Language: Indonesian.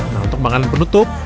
nah untuk makanan penutup